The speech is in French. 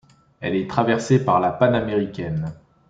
Elle est traversée par la Panaméricaine.